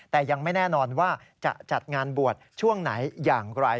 แต่ยังไม่แน่นอนว่าจะจัดงานบวชช่วงไหนอย่างไร